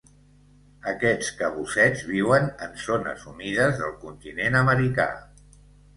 Aquests cabussets viuen en zones humides del continent americà.